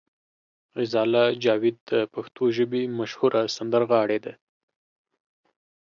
غزاله جاوید د پښتو ژبې مشهوره سندرغاړې ده.